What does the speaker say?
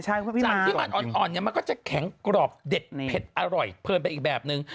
สั่งที่มันอ่อนเนี่ยมันก็จะแข็งกรอบเด็ดเผ็ดอร่อยเพลินไปอีกแบบนึง